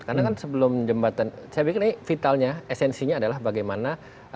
karena kan sebelum jembatan saya pikir ini vitalnya esensinya adalah bagaimana